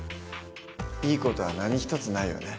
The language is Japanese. いい事は何一つないよね。